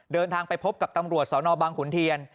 เดินทางไปพบกับตำรวจสนบังขุนเทียน